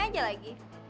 aku udah kelas lima